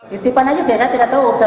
ketipan aja tidak tahu